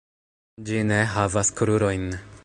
Ĝi ne havas krurojn.